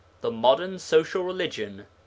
The Modern Social Religion.